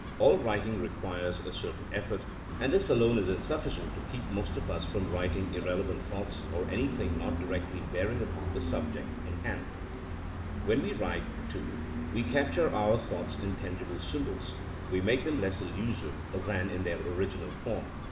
All writing requires a certain effort, and this alone is sufficient to keep most of us from writing irrelevant thoughts, or anything not directly bearing upon the subject in hand. 1 78 THINKINa AS A SCIENCE When we write, too, we capture our thoughts in tangible symbols ; we make them less elusive than in their original form.